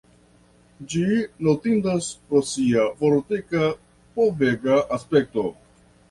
Ĝi notindas pro sia fortika povega aspekto.